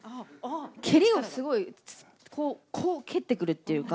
蹴りをすごい、こう、こう蹴ってくるっていうか。